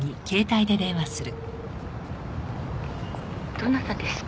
「どなたですか？」